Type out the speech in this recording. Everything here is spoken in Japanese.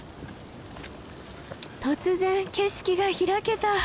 突然景色が開けた。